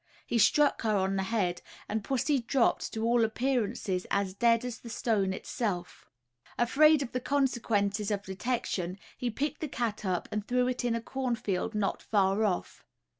He struck her on the head, and pussy dropped to all appearance as dead as the stone itself. Afraid of the consequences of detection, he picked the cat up and threw it in a cornfield not far off.